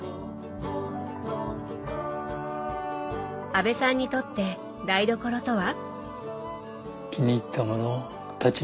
阿部さんにとって台所とは？